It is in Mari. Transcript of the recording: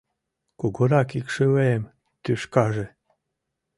Кугурак икшывем тӱшкаже.